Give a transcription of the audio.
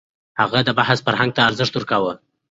هغه د بحث فرهنګ ته ارزښت ورکاوه.